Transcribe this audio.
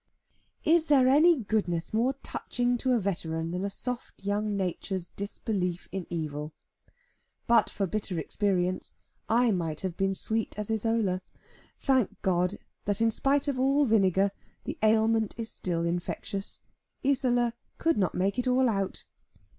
Is there any goodness more touching to a veteran than a soft young nature's disbelief in evil? But for bitter experience, I might have been sweet as Isola. Thank God, that in spite of all vinegar, the ailment is still infectious. Isola could not make it all out.